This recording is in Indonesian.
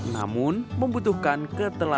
namun membutuhkan ketentuan